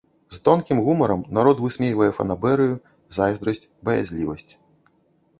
З тонкім гумарам народ высмейвае фанабэрыю, зайздрасць, баязлівасць.